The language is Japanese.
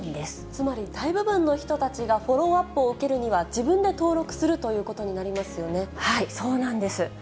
つまり大部分の人たちがフォローアップを受けるには、自分で登録するということになりますよそうなんです。